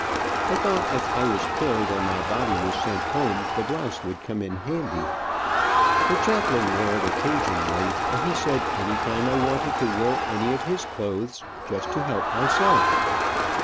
I thought if I was killed and my body was sent home, the blouse would come handy. The chaplain wore it occasionally, and he said any time I wanted to wear any of his clothes to just help myself.